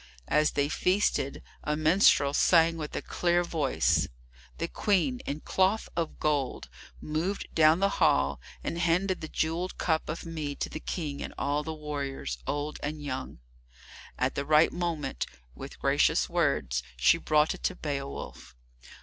As they feasted, a minstrel sang with a clear voice. The Queen, in cloth of gold, moved down the hall and handed the jewelled cup of mead to the King and all the warriors, old and young. At the right moment, with gracious words, she brought it to Beowulf.